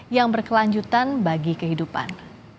yang berkelanjutan bagi kehidupan